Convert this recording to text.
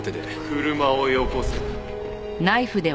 車をよこせ。